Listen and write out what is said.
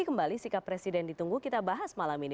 mas jayadi selamat malam